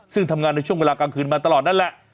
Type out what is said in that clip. ซึ่งทำงานในช่วงเวลากลางคืนมาตลอดนั่นแหละ